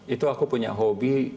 itu aku punya hobi